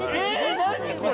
何これ？